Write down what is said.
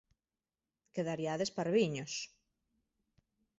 Quedariades parviños!